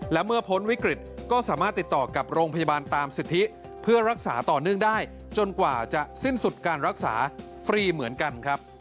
และเมื่อพ้นวิกฤตก็สามารถติดต่อกับโรงพยาบาลตามสิทธิเพื่อรักษาต่อเนื่องได้จนกว่าจะสิ้นสุดการรักษาฟรีเหมือนกันครับ